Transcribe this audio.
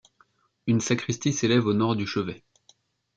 Une sacristie s'élève au nord du chevet.